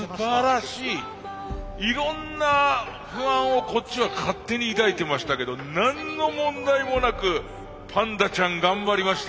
いろんな不安をこっちは勝手に抱いてましたけど何の問題もなくパンダちゃん頑張りました。